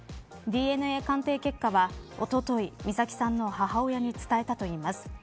ＤＮＡ鑑定結果は、おととい美咲さんの母親に伝えたといいます。